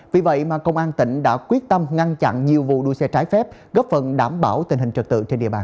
vì vậy mà công an tỉnh đã quyết tâm ngăn chặn nhiều vụ đua xe trái phép góp phần đảm bảo tình hình trật tự trên địa bàn